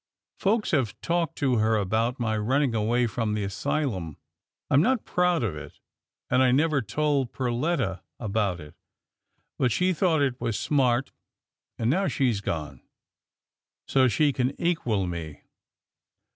Folks have talked to her about my running away from the asylum. I'm not proud of it, and I never told Perletta about it, but she FLIGHT OF A WILD GOOSE 167 thought it was smart, and now she's gone, so she can equal me."